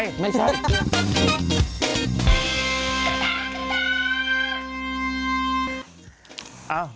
ไม่ใช่